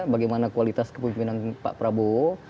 bagaimana kualitas kepemimpinan pak prabowo